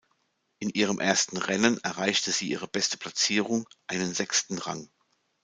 In ihrem ersten Rennen erreichte sie ihre beste Platzierung, einen sechsten Rang.